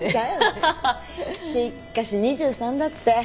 しかし２３だって。